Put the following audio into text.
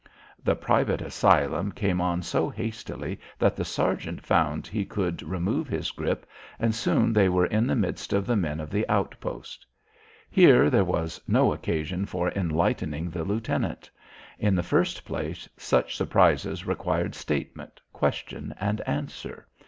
The private asylum came on so hastily that the sergeant found he could remove his grip, and soon they were in the midst of the men of the outpost. Here there was no occasion for enlightening the lieutenant. In the first place such surprises required statement, question and answer.